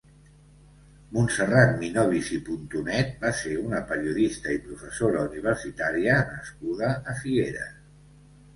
Montserrat Minobis i Puntonet va ser una periodista i professora universitària nascuda a Figueres.